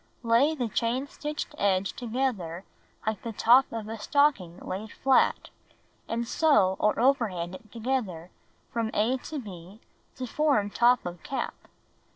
Lay the chain stitched edge together like the top of a stocking laid flat, and sew or overhand it together from a to b to form top of cap.